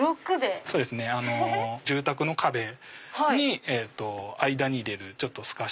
住宅の壁に間に入れる透かし。